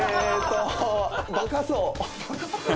バカそう。